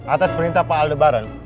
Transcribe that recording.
atas perintah pak aldebaran